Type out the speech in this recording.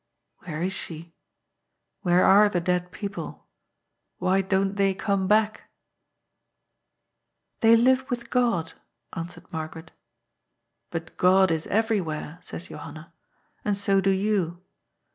Where is she? Where are the dead people ? Why don't they come back ?"" They live with God," answered Margaret ^'Bat God is everywhere, says Johanna. And so do yon.